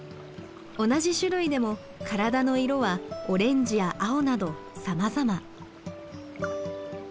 同じ種類でも体の色はオレンジや青などさまざま。